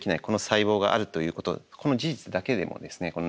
この細胞があるということこの事実だけでもですね